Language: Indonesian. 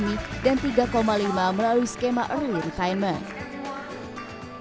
yang berhenti secara alami dan tiga lima melalui skema early retirement